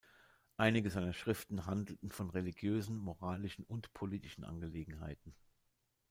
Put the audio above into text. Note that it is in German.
Einige seiner Schriften handelten von religiösen, moralischen und politischen Angelegenheiten.